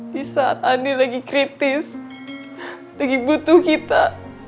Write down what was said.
di saat adi lagi kritis lagi butuh kita